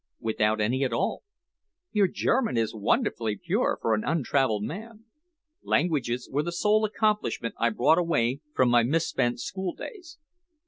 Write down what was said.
"Without any at all." "Your German is wonderfully pure for an untravelled man." "Languages were the sole accomplishment I brought away from my misspent school days."